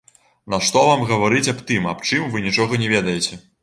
Нашто вам гаварыць аб тым, аб чым вы нічога не ведаеце.